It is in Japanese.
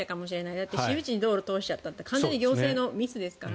だって私有地に道路を通しちゃったって完全に行政のミスですから。